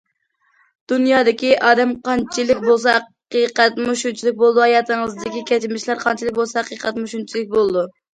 دۇنيادىكى ئادەم قانچىلىك بولسا ھەقىقەتمۇ شۇنچىلىك بولىدۇ، ھاياتىڭىزدىكى كەچمىشلەر قانچىلىك بولسا ھەقىقەتمۇ شۇنچىلىك بولىدۇ.